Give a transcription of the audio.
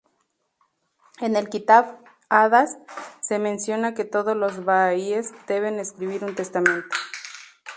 En el Kitáb-i-Aqdas se menciona que todos los bahaíes deben escribir un testamento.